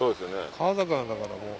川魚だからもう。